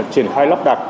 triển khai lắp đặt